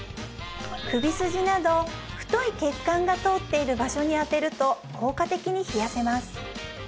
首筋など太い血管が通っている場所にあてると効果的に冷やせます